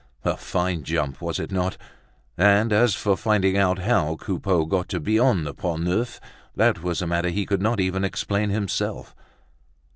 A fine jump, was it not? And as for finding out how Coupeau got to be on the Pont Neuf, that was a matter he could not even explain himself.